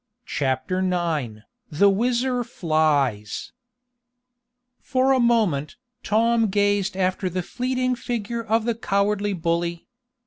CHAPTER IX THE WHIZZER FLIES For a moment, Tom gazed after the fleeting figure of the cowardly bully.